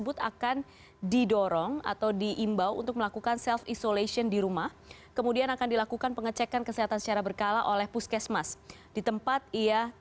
beberapa diantaranya adalah penyakit paru obstruksi menaun